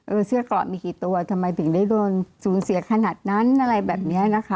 เสื้อกรอกมีกี่ตัวทำไมถึงได้โดนสูญเสียขนาดนั้นอะไรแบบนี้นะคะ